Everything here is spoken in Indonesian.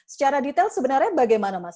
secara detail sebenarnya bagaimana mas